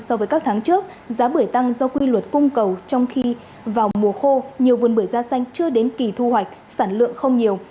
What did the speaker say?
so với các tháng trước giá bưởi tăng do quy luật cung cầu trong khi vào mùa khô nhiều vườn bưởi da xanh chưa đến kỳ thu hoạch sản lượng không nhiều